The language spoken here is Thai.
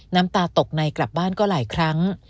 น้ำตาตกในกลับบ้านก็หลายครั้ง